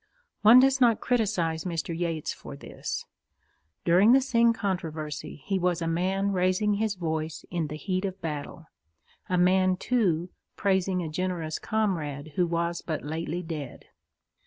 One does not criticize Mr. Yeats for this. During the Synge controversy he was a man raising his voice in the heat of battle a man, too, praising a generous comrade who was but lately dead.